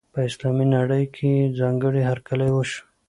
په اسلامي نړۍ کې یې ځانګړی هرکلی وشو.